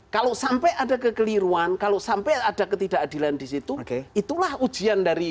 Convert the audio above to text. kalau sampai ada kekeliruan kalau sampai ada ketidakadilan di situ itulah ujian dari